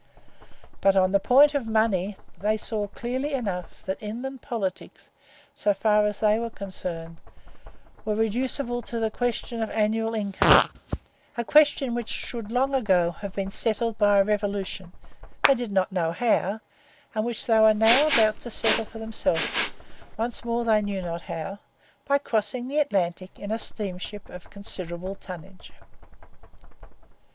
But on the point of money they saw clearly enough that inland politics, so far as they were concerned, were reducible to the question of annual income; a question which should long ago have been settled by a revolution, they did not know how, and which they were now about to settle for themselves, once more they knew not how, by crossing the Atlantic in a steamship of considerable tonnage.